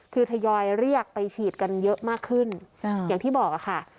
คือทยอยเรียกไปฉีดกันเยอะมากขึ้นอย่างที่บอกค่ะ